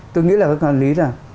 tôi nghĩ là các nhà quản lý là